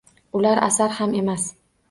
Ular asar ham emas